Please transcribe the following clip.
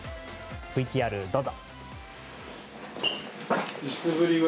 ＶＴＲ、どうぞ。